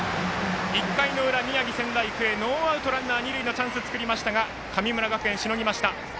１回の裏、宮城、仙台育英ノーアウト、ランナー二塁のチャンスを作りましたが神村学園しのぎました。